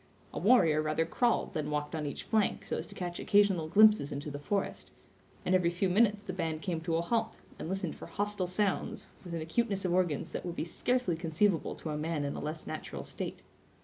A warrior rather crawled than walked on each flank so as to catch occasional glimpses into the forest; and every few minutes the band came to a halt, and listened for hostile sounds, with an acuteness of organs that would be scarcely conceivable to a man in a less natural state.